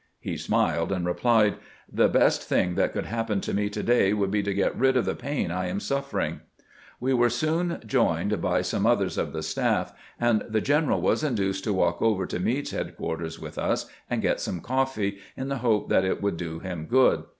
He smiled, and replied :" The best thing that could happen to me to day would be to get rid of the pain I am suffering." We were soon joined by some others of the staff, and the general was induced to walk over to Meade's head quarters with us and get some coffee, in the hope that it would do him good.